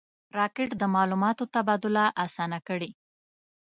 راکټ د معلوماتو تبادله آسانه کړې